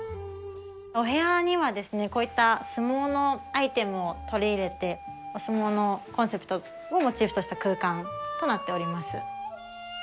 お部屋にはですねこういった相撲のアイテムを取り入れてお相撲のコンセプトをモチーフとした空間となっております。